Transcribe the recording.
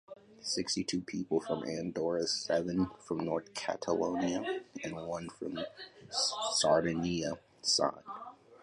Sixty-two people from Andorra, seven from North Catalonia and one from Sardinia signed.